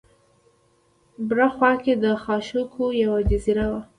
بره خوا کې د خاشاکو یوه جزیره وه.